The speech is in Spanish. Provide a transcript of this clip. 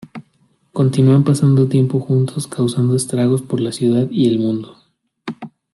Continúan pasando tiempo juntos, causando estragos por la ciudad y el mundo.